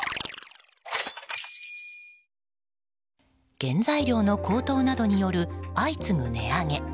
原材料の高騰などによる相次ぐ値上げ。